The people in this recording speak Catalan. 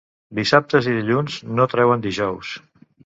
Dissabtes i dilluns no treuen dijous.